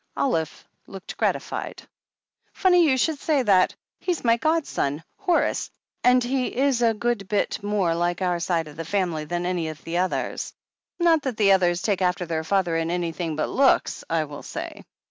Olive looked gratified. "Funny you should say that. He's my godson — Horace — ^and he if a good bit more like our side of the family than any of the others. Not that the others take after their father in anything but looks, I will say."